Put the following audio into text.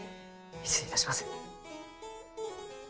失礼いたします。